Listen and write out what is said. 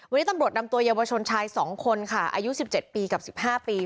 วันนี้ตำรวจดำตัวเยียววชนชายสองคนค่ะอายุสิบเจ็ดปีกับสิบห้าปี